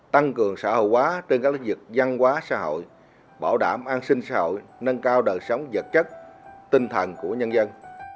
tăng cường xã hội hóa trên các lĩnh vực văn hóa xã hội bảo đảm an sinh xã hội nâng cao đời sống vật chất tinh thần của nhân dân